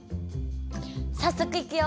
さっそくいくよ。